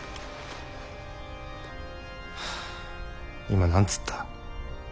今何つった？